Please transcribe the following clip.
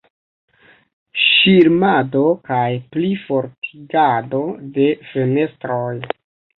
Ŝirmado kaj plifortigado de fenestroj.